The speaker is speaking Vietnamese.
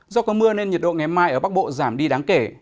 do có mưa nên nhiệt độ ngày mai ở bắc bộ giảm đi đáng kể